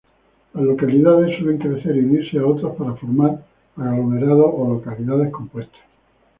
Las localidades suelen crecer y unirse a otras para formar aglomerados o localidades compuestas.